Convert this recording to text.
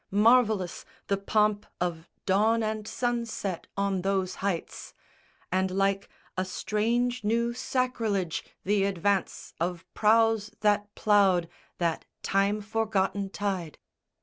Marvellous The pomp of dawn and sunset on those heights, And like a strange new sacrilege the advance Of prows that ploughed that time forgotten tide.